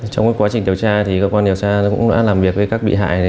trong quá trình điều tra thì cơ quan điều tra cũng đã làm việc với các bị hại